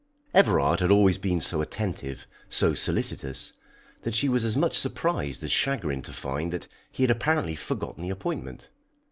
Everard had always been so attentive, so solicitous, that she was as much surprised as chagrined to find that he had apparently forgotten the appointment.